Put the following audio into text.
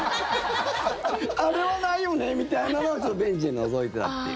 あれはないよねみたいなのはベンチでのぞいてたっていう。